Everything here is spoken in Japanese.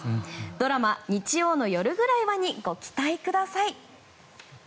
ドラマ「日曜の夜ぐらいは」にご期待ください。